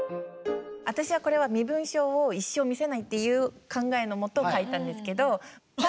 私はこれは身分証を一生見せないっていう考えのもと書いたんですけど。